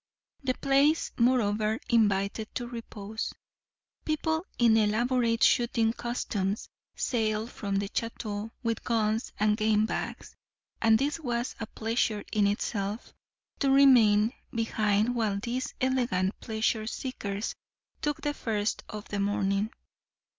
The place, moreover, invited to repose. People in elaborate shooting costumes sallied from the château with guns and game bags; and this was a pleasure in itself, to remain behind while these elegant pleasure seekers took the first of the morning.